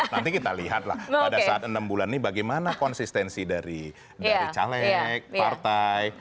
nanti kita lihatlah pada saat enam bulan ini bagaimana konsistensi dari caleg partai